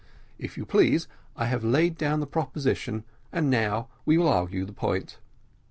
If you please, I have laid down the proposition, and we will now argue the point."